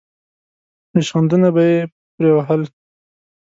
ریشخندونه به یې پرې وهل.